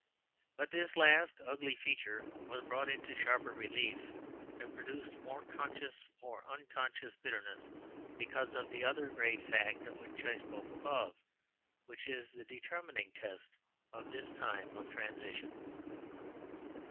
But this last ugly feature was brought into sharper relief, and produced more conscious or unconscious bitterness, because of that other great fact of which I spoke above, which is the determining test of this time of transition.